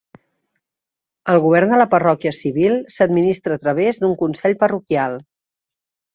El govern de la parròquia civil s'administra a través d'un consell parroquial.